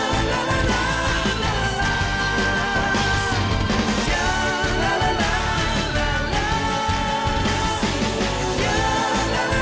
jangan gitu gitu gue lagi ngisir au